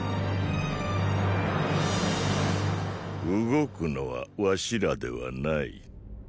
っ⁉動くのは儂らではない。